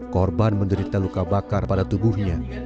korban menderita luka bakar pada tubuhnya